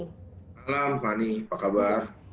selamat malam pak boni apa kabar